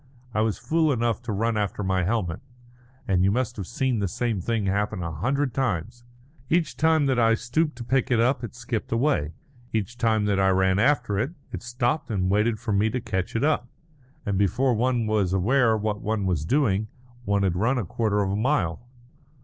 I was fool enough to run after my helmet; and you must have seen the same thing happen a hundred times each time that I stooped to pick it up it skipped away; each time that I ran after it, it stopped and waited for me to catch it up. And before one was aware what one was doing, one had run a quarter of a mile.